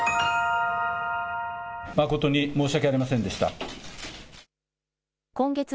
誠に申し訳ありませんでした。